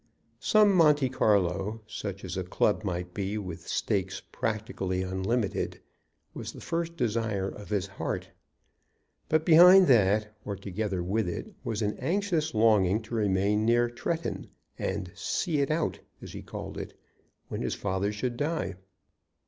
Some Monte Carlo, such as a club might be with stakes practically unlimited, was the first desire of his heart. But behind that, or together with it, was an anxious longing to remain near Tretton and "see it out," as he called it, when his father should die.